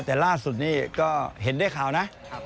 แต่ล่าสุดนี่ก็เห็นได้ข่าวนะ